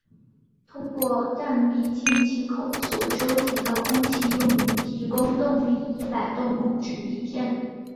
通过弹鼻进气口所收集的空气用于提供动力以摆动控制翼片。